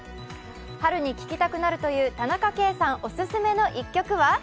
春に聴きたくなるという田中圭さんお勧めの一曲は？